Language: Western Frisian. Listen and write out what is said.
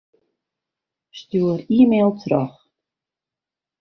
Stjoer e-mail troch.